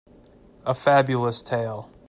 A Fabulous tale.